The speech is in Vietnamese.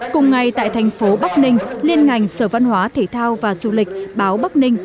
cùng ngày tại thành phố bắc ninh liên ngành sở văn hóa thể thao và du lịch báo bắc ninh